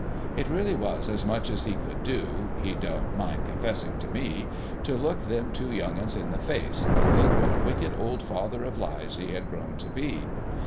It really was as much as he could do, he don't mind confessing to me, to look them two young things in the face, and think what a wicked old father of lies he had grown up to be.